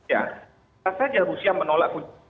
tidak saja rusia menolak